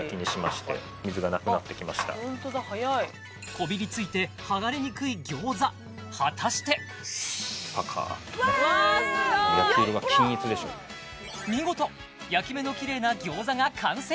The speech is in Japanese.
こびりついて剥がれにくい餃子果たしてパカっと見事焼き目のキレイな餃子が完成